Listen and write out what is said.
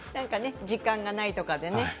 時間がないとかでね。